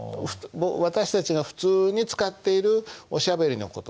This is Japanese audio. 私たちが普通に使っているおしゃべりの言葉。